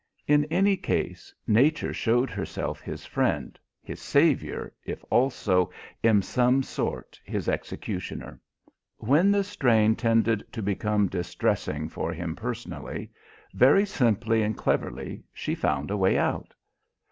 In any case, Nature showed herself his friend his saviour, if also, in some sort, his executioner. When the strain tended to become distressing, for him personally, very simply and cleverly, she found a way out.